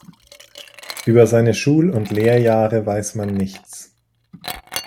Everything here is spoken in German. Über seine Schul- und Lehrjahre weiß man nichts.